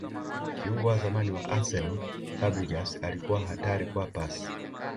kiungo wa zamani wa arsenal fabregas alikuwa hatari kwa pasi